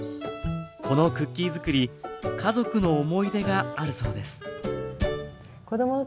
このクッキーづくり家族の思い出があるそうです。